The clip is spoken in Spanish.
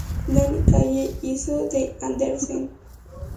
Danny Kaye hizo de Andersen.